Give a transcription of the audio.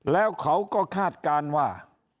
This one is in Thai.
แล้วเขาก็คาดการณ์ว่า